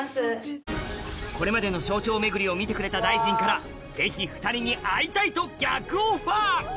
これまでの省庁巡りを見てくれた大臣からぜひ２人に会いたいと逆オファー